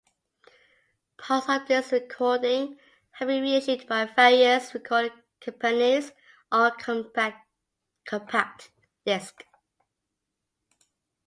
Parts of this recording have been re-issued by various recording companies on compact disc.